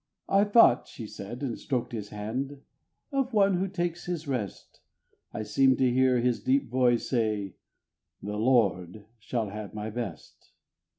"I thought," she said, and stroked his hand, "of one who takes his rest, I seemed to hear his deep voice say: The Lord shall have my best."